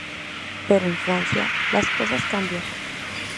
Pero en Francia, las cosas cambian.